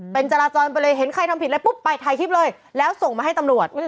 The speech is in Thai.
เป็นจราจรไปเลยเห็นใครทำผิดอะไรปุ๊บไปถ่ายคลิปเลยแล้วส่งมาให้ตำรวจ